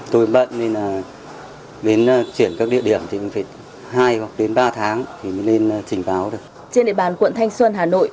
trên địa bàn quận thanh xuân hà nội